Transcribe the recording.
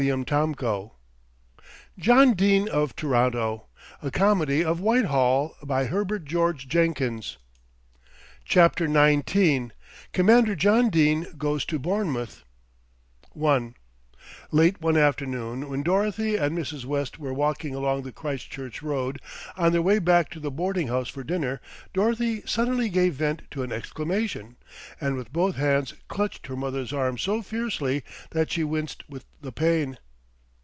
"If only for the good of his own soul," said Sage, as he knocked his pipe against a railing. CHAPTER XIX COMMANDER JOHN DENE GOES TO BOURNEMOUTH I Late one afternoon when Dorothy and Mrs. West were walking along the Christchurch Road on their way back to the boarding house for dinner, Dorothy suddenly gave vent to an exclamation, and with both hands clutched her mother's arm so fiercely that she winced with the pain.